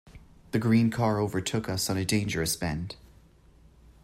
The green car overtook us on a dangerous bend.